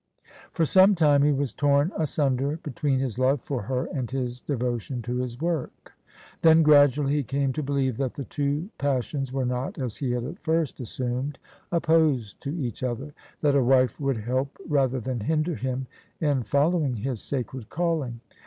For some time he was torn asunder between his love for her and his devotion to his work. Then gradually he came to believe that the two passions were not, as he had at first assumed, opposed to each other — that a wife would help rather than hinder him in following his sacred calling.